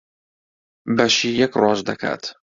بەشی یەک ڕۆژ دەکات.